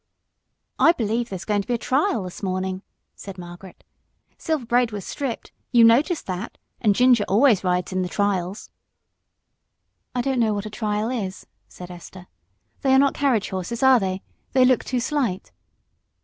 "I believe there's going to be a trial this morning," said Margaret; "Silver Braid was stripped you noticed that and Ginger always rides in the trials." "I don't know what a trial is," said Esther. "They are not carriage horses, are they? They look too slight."